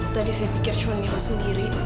tadi saya pikir cuma niko sendiri